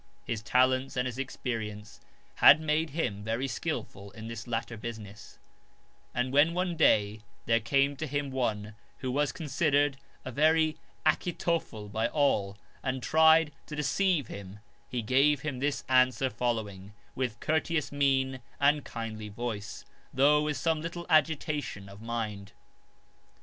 His talents and his experience had made him very skilful in this latter business ; and when one day there came to him one, who was considered a very Achitophel by all, and tried to deceive him he gave him this answer follow ing, with courteous mien and kindly voice, though with some little agitation of mind.